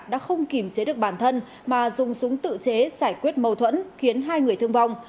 đã không kìm chế được bản thân mà dùng súng tự chế giải quyết mâu thuẫn khiến hai người thương vong